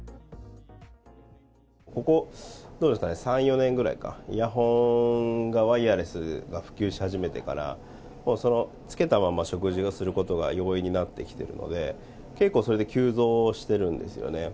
ここ、どうですかね、３、４年ぐらいか、イヤホンがワイヤレスが普及し始めてから、つけたまま食事をすることが容易になってきているので、結構、それで急増してるんですよね。